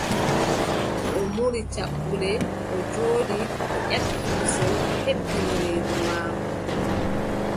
O muuri caɓɓule, o jooɗi o ƴakki kusel, o hebbini reedu maako.